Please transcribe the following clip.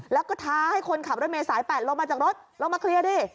แล้วก็ท้าให้คนขับรถเมย์สาย๘ลงมาจากรถลงมาเคลียร์ดิ